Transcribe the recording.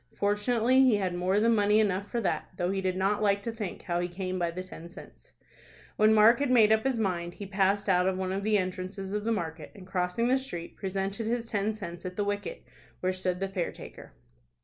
Fortunately he had more than money enough for that, though he did not like to think how he came by the ten cents. When Mark had made up his mind, he passed out of one of the entrances of the market, and, crossing the street, presented his ten cents at the wicket, where stood the fare taker.